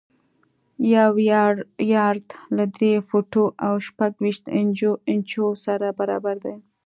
یو یارډ له درې فوټو او شپږ ویشت انچو سره برابر دی.